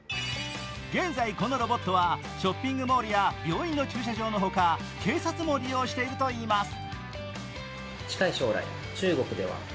現在このロボットはショッピングモールや病院の駐車場のほか警察も利用しているといいます。